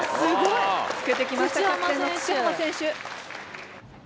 つけてきましたキャプテンの土濱選手。